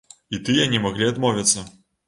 І тыя не маглі адмовіцца.